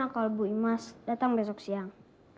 kalau bu imas datang besok siang